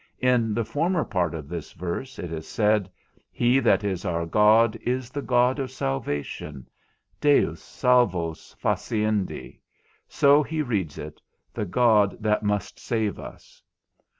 In the former part of this verse it is said, He that is our God is the God of salvation; Deus salvos faciendi, so he reads it, the God that must save us.